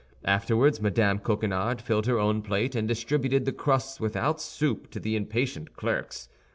Afterward Mme. Coquenard filled her own plate, and distributed the crusts without soup to the impatient clerks.